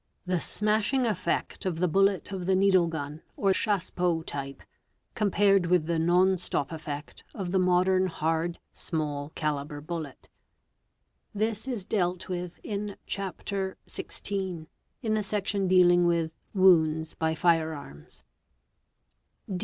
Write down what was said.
the smashing effect of the bullet of the needle gun or chassepot type compared with the non stop effect of the modern hard, small calibre bullet. This is dealt with in fg hapter XVI, in the section dealing with Wounds by fire arms.